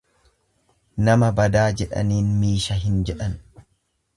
Nama badaa jedhaniin miisha hin jedhan.